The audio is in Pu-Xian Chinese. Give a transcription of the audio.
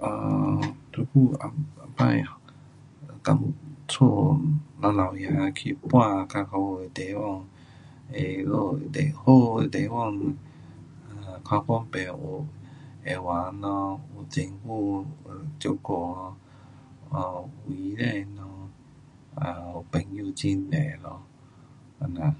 um 这久以后，哒家若老爷，去看较好的地方，那里会好的地方，较方便，有药房咯，有政府照顾，有医生咯，也又朋友很多咯这样。